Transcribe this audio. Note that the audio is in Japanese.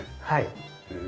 はい。